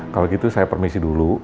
kalau gitu saya permisi dulu